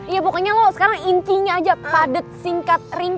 iya pokoknya lo sekarang intinya aja padet singkat ringan